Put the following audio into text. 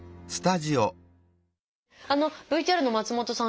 あのＶＴＲの松本さん